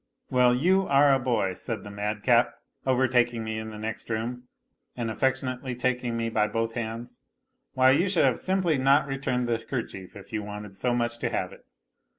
" Well, you are a boy," said the madcap, overtaking me in the next room and affectionately taking me by both hands, " why, you should have simply not returned the kerchief if you wanted so much to have it.